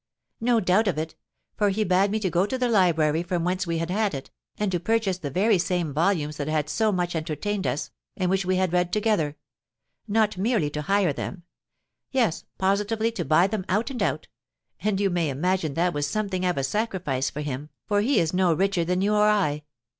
"No doubt of it; for he bade me go to the library from whence we had had it, and to purchase the very same volumes that had so much entertained us, and which we had read together, not merely to hire them, yes, positively to buy them out and out; and you may imagine that was something of a sacrifice for him, for he is no richer than you or I."